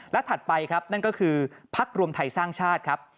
และถัดไปครับนั่นก็คือพักรวมไทยสร้างชาติครับ